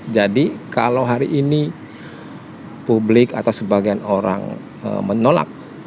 jadi kalau hari ini publik atau sebagian orang menolak